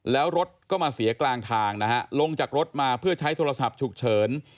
แล้วรถก็มาเสียกลางทางนะฮะลงจากรถมาเพื่อใช้โทรศัพท์ฉุกเฉิน